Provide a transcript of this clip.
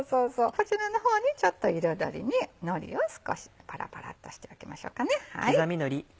こちらの方にちょっと彩りにのりを少しパラパラっとしておきましょうか。